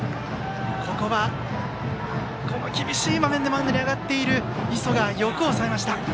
ここは厳しい場面でマウンドに上がっている磯がよく抑えました。